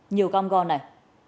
nhiều cong gò này